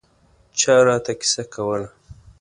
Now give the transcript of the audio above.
چا راته کیسه کوله.